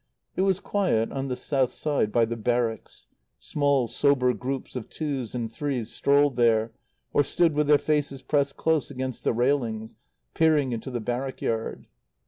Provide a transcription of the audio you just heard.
It was quiet on the south side by the Barracks. Small, sober groups of twos and threes strolled there, or stood with their faces pressed close against the railings, peering into the barrack yard.